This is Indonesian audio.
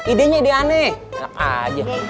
ide nya ide aneh enak aja